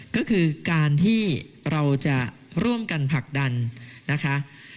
ก็คือการที่เราจะร่วมกันผลักดันนะคะ